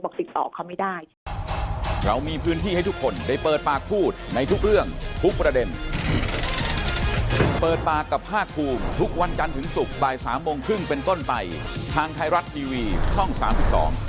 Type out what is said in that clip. ก็ดีนะครับแต่ตามข่าวเนี่ยบอกติดต่อเขาไม่ได้